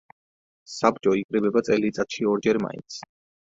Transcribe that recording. საბჭო იკრიბება წელიწადში ორჯერ მაინც.